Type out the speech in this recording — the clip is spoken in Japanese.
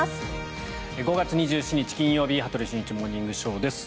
５月２７日、金曜日「羽鳥慎一モーニングショー」。